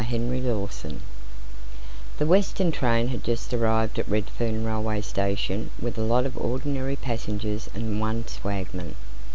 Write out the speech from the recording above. ENTER MITCHELL The Western train had just arrived at Redfern railway station with a lot of ordinary passengers and one swagman.